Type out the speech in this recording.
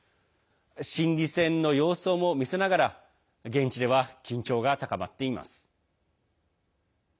心理戦の様相も見せながら現地では緊張が高まっています。